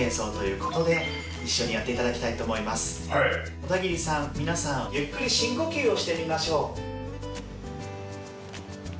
小田切さん皆さんゆっくり深呼吸をしてみましょう。